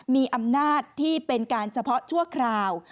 มีอำนาจที่เป็นการเฉพาะชั่วคราว